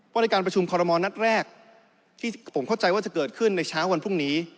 ในการประชุมคอรมณ์นัดแรกที่ผมเข้าใจว่าจะเกิดขึ้นในเช้าวันพรุ่งนี้